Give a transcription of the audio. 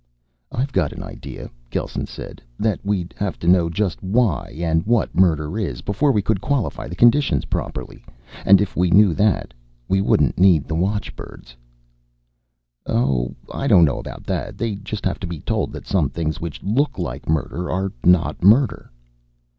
"I've got an idea," Gelsen said, "that we'd have to know just why and what murder is, before we could qualify the conditions properly. And if we knew that, we wouldn't need the watchbirds." "Oh, I don't know about that. They just have to be told that some things which look like murder are not murder."